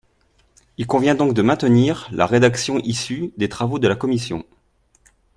Il convient donc de maintenir la rédaction issue des travaux de la commission.